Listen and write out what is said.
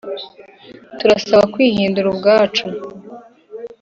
“turasabwa kwihindura ubwacu.”